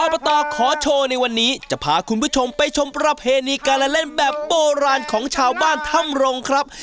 ปตขอโชว์ในวันนี้จะพาคุณผู้ชมไปชมประเพณีการละเล่นแบบโบราณของชาวบ้านถ้ำรงครับ